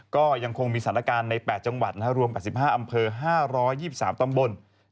ก็ยังคงมีสถานการณ์ใน๘จังหวัดรวม๘๕อำเภอ๕๒๓ตำบล